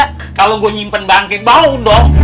siapa yang menyimpen bangke bau dong